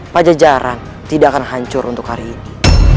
pajajaran tidak akan hancur untuk hari ini